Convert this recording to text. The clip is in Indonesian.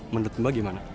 menurut mbak gimana